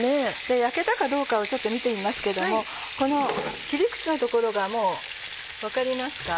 焼けたかどうかをちょっと見てみますけどもこの切り口の所がもう分かりますか？